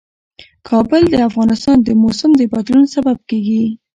کابل د افغانستان د موسم د بدلون سبب کېږي.